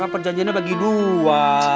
kan perjanjiannya bagi dua